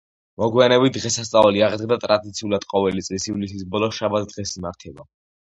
მოგვიანებით დღესასწაული აღდგა და ტრადიციულად ყოველი წლის ივლისის ბოლო შაბათ დღეს იმართება.